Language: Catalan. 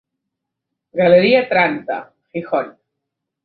Galeria Tantra, Gijón.